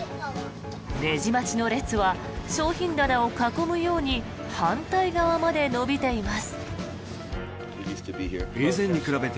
レジ待ちの列は商品棚を囲むように反対側まで延びています。